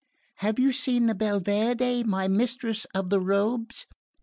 Have you seen the Belverde, my mistress of the robes?